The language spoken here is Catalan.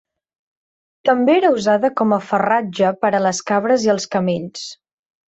També era usada com a farratge per a les cabres i els camells.